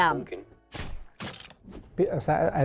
apa yang kamu inginkan untuk menciptakan